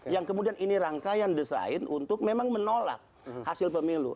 yang kemudian ini rangkaian desain untuk memang menolak hasil pemilu